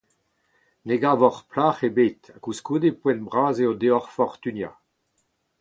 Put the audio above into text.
Ne gavot plac’h ebet ha, koulskoude, poent bras eo deoc’h fortuniañ.